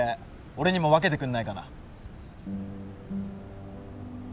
俺にも分けてくんないかな？